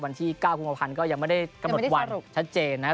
วันที่เก้าคูมพันธ์ก็ยังไม่ได้กระหมดวันควรชัดเจนนะครับ